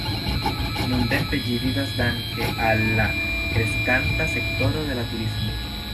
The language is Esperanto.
Nuntempe ĝi vivas danke al la kreskanta sektoro de la turismo.